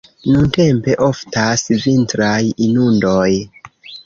Nuntempe oftas vintraj inundoj.